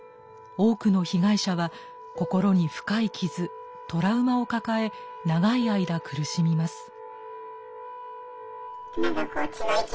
多くの被害者は心に深い傷「トラウマ」を抱え長い間苦しみます。